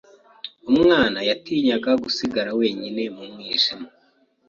Umwana yatinyaga gusigara wenyine mu mwijima.